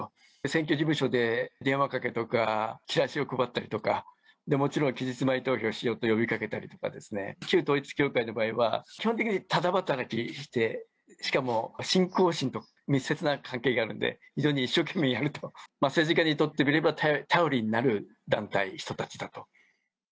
選挙事務所で電話かけとか、チラシを配ったりとか、もちろん期日前投票しようと呼びかけたりとかですね、旧統一教会の場合は、基本的にただ働きして、しかも、信仰心と密接な関係があるので、非常に一生懸命やると、政治家にとってみれば頼りになる団体、人たちだと。